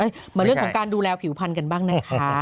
มาเรื่องของการดูแลผิวพันธุ์บ้างนะคะ